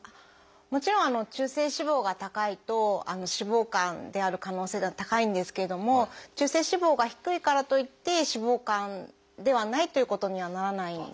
もちろん中性脂肪が高いと脂肪肝である可能性が高いんですけれども中性脂肪が低いからといって脂肪肝ではないということにはならないんですね。